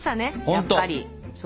やっぱり。